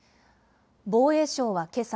防衛省はけさ